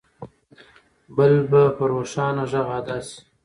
بل به په روښانه غږ ادا شي.